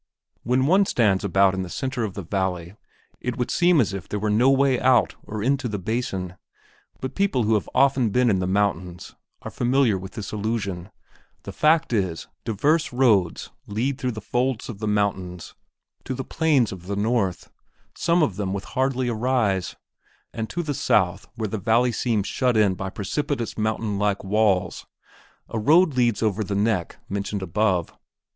When one stands about in the centre of the valley it would seem as if there were no way out or into the basin; but people who have often been in the mountains are familiar with this illusion: the fact is, diverse roads lead through the folds of the mountains to the plains to the north, some of them with hardly a rise; and to the south where the valley seems shut in by precipitous mountain walls, a road leads over the "neck" mentioned above.